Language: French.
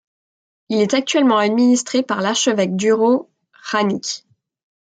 Il est actuellement administré par l'archevêque Đuro Hranić.